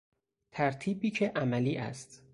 ترتیبی که عملی است